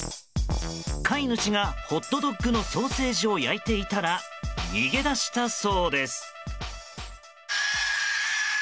飼い主がホットドッグのソーセージを焼いていたら逃げ出したそうです。